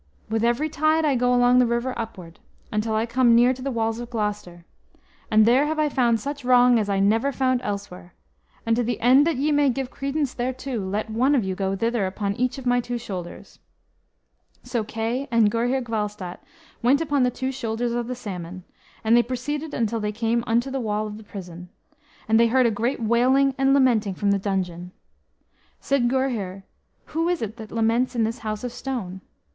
With every tide I go along the river upward, until I come near to the walls of Gloucester, and there have I found such wrong as I never found elsewhere; and to the end that ye may give credence thereto, let one of you go thither upon each of my two shoulders." So Kay and Gurhyr Gwalstat went upon the two shoulders of the Salmon, and they proceeded until they came unto the wall of the prison; and they heard a great wailing and lamenting from the dungeon. Said Gurhyr, "Who is it that laments in this house of stone?"